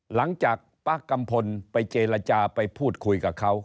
หลังจากป๊ากัมพลไปเจรจาไปพูดคุยกับเขา